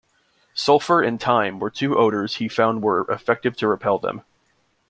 Sulphur and thyme were two odours he found were effective to repel them.